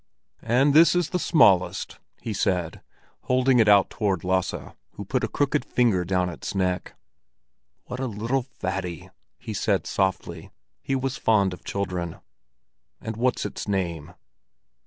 "And this is the smallest," he said, holding it out toward Lasse, who put a crooked finger down its neck. "What a little fatty!" he said softly; he was fond of children. "And what's its name?"